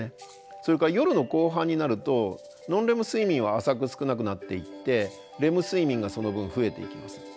それから夜の後半になるとノンレム睡眠は浅く少なくなっていってレム睡眠がその分増えていきます。